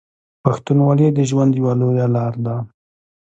پښتونولي د ژوند یوه لار ده.